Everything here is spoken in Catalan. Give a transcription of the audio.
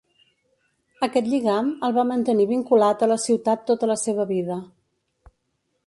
Aquest lligam el va mantenir vinculat a la ciutat tota la seva vida.